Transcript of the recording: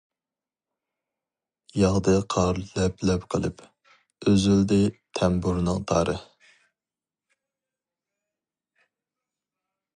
ياغدى قار لەپ-لەپ قىلىپ، ئۈزۈلدى تەمبۇرنىڭ تارى.